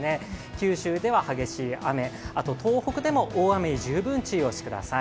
九州では激しい雨、あと東北でも大雨に十分注意をしてください。